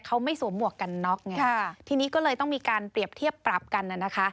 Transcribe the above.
เขาไม่สวมหมวกกันน็อกไงค่ะทีนี้ก็เลยต้องมีการเปรียบเทียบปรับกันน่ะนะคะ